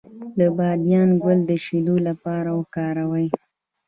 د بادیان ګل د شیدو لپاره وکاروئ